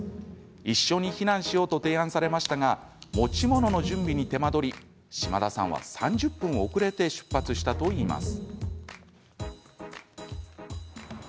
一緒に避難しようと提案されましたが持ち物の準備に手間取り島田さんは３０分遅れて出発したといいます。